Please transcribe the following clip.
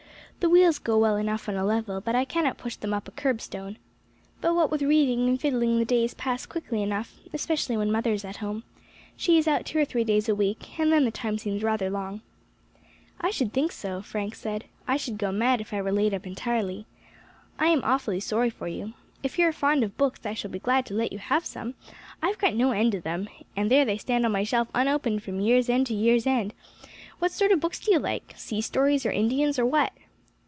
The wheels go well enough on a level, but I cannot push them up a curb stone. But what with reading and fiddling the days pass quickly enough, especially when mother is at home; she is out two or three days a week, and then the time seems rather long." "I should think so," Frank said; "I should go mad if I were laid up entirely. I am awfully sorry for you. If you are fond of books I shall be glad to let you have some; I have got no end of them, and there they stand on my shelf unopened from year's end to year's end. What sort of books do you like best? Sea stories, or Indians, or what?"